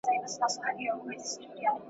نه به کور په کور په ښار کي تربګني وای ,